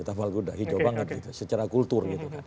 tapal kuda hijau banget gitu secara kultur